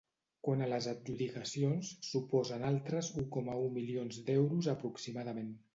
Quant a les adjudicacions, suposen altres u coma u milions d’euros aproximadament.